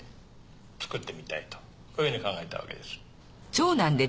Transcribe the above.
作ってみたいとこういうふうに考えたわけですよ。